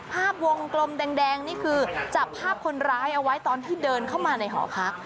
ภาพวงกลมแดงนี่คือจับภาพคนร้ายเอาไว้ตอนที่เดินเข้ามาในหอพัก